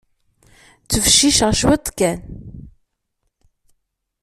Ttbecciceɣ cwiṭ kan.